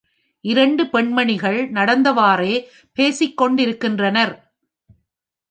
இரண்டு பெண்மணிகள் நடந்தவாறே பேசிக்கொண்டிருக்கின்றனர்.